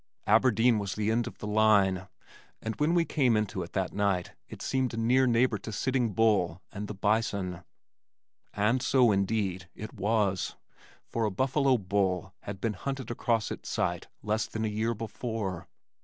Aberdeen was the end of the line, and when we came into it that night it seemed a near neighbor to Sitting Bull and the bison. And so, indeed, it was, for a buffalo bull had been hunted across its site less than a year before.